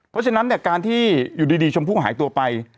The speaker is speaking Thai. เพราะฉะนั้นเนี่ยการที่อยู่ดีชมพู่หายตัวไป